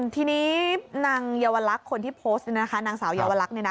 ทีนี้นางเยาวรักษ์คนที่โพสต์นะคะนางสาวเยาวรักษ์เนี่ยนะ